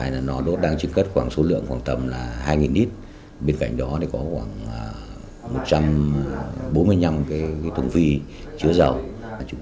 cơ sở tái chừng cất cho nước thải phép hoạt động